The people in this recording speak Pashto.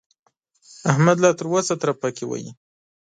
احمد لا تر اوسه ترپکې وهي.